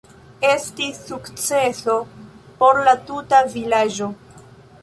Estis sukceso por la tuta vilaĝo.